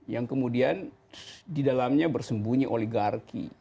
yang kemudian di dalamnya bersembunyi oligarki